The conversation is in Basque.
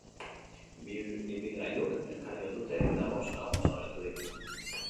Bi ibilgailuk elkar jo dute eta bost lagun zauritu dira.